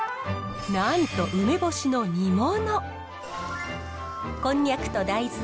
なんと梅干しの煮物！